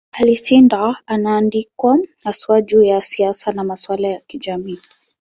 Alcindor anaandikwa haswa juu ya siasa na masuala ya kijamii.